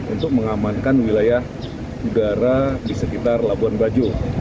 untuk mengamankan wilayah udara di sekitar labuan bajo